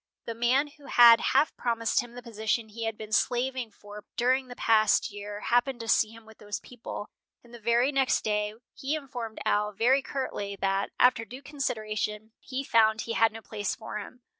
The man who had half promised him the position he had been slaving for during the past year happened to see him with those people, and the very next day he informed Al very curtly that, after due consideration, he found he had no place for him.